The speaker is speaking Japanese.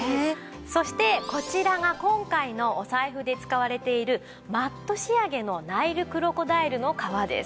そしてこちらが今回のお財布で使われているマット仕上げのナイルクロコダイルの革です。